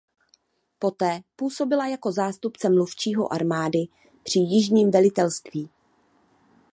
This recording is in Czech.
Poté působila jako zástupce mluvčího armády při Jižním velitelství.